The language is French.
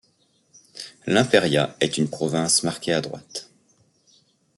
L'Imperia est une province marquée à droite.